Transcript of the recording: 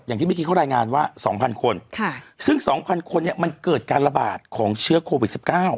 อย่างที่เมื่อกี้เขารายงานว่า๒๐๐คนซึ่ง๒๐๐คนเนี่ยมันเกิดการระบาดของเชื้อโควิด๑๙